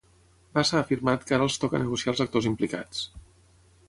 Bassa ha afirmat que ara els toca negociar als actors implicats.